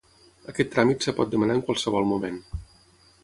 Aquest tràmit es pot demanar en qualsevol moment.